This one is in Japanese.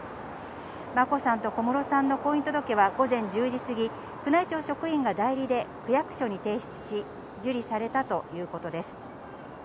眞子さんと小室さんの婚姻届は午前１０時すぎ、宮内庁職員が代理で区役所に提出し、受理されたということです。